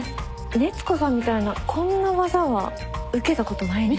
熱子さんみたいなこんな技は受けたことないです。